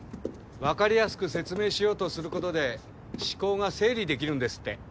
分かりやすく説明しようとすることで思考が整理できるんですって。